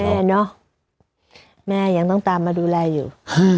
แม่เนอะแม่ยังต้องตามมาดูแลอยู่